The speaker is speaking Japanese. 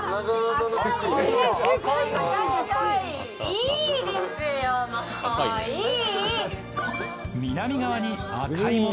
いいですよ、もう、いい。